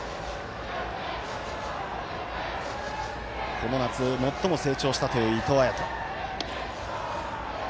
この夏、最も成長したという伊藤彩斗。